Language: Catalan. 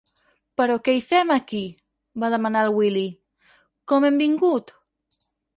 Però què hi fem, aquí? —va demanar el Willy— Com hem vingut?